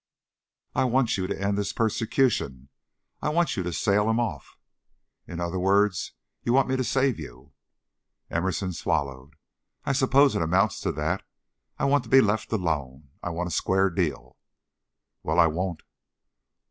"I want you to end this persecution. I want you to sail him off." "In other words, you want me to save you." Emerson swallowed. "I suppose it amounts to that. I want to be let alone, I want a square deal." "Well, I won't."